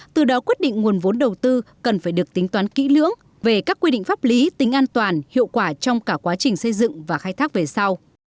từ đó quyết định nguồn vốn đầu tư cần phải được tính toán kỹ lưỡng về các quy định pháp lý tính an toàn hiệu quả trong cả quá trình xây dựng và khai thác về sau